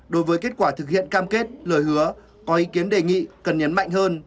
đối với kết quả thực hiện cam kết lời hứa có ý kiến đề nghị cần nhấn mạnh hơn